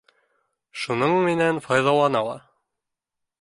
Шуның менән файҙалана ла.